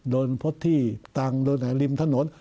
โดนพจที่ต่างโดนไหนริมถนน